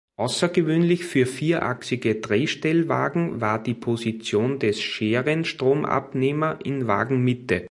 Außergewöhnlich für vierachsige Drehgestellwagen war die Position des Scherenstromabnehmer in Wagenmitte.